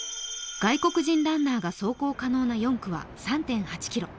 外国人ランナー走行可能な４区は３．８ｋｍ。